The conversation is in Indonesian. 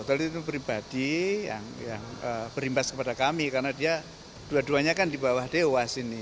kalau itu pribadi yang berimbas kepada kami karena dia dua duanya kan di bawah dewas ini